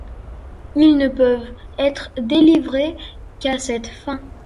Ils ne peuvent être délivrés qu'à cette fin.